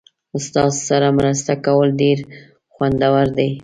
ستاسو سره مرسته کول ډیر خوندور دي.